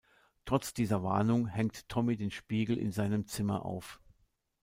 Trotz dieser Warnung hängt Tommy den Spiegel in seinem Zimmer auf.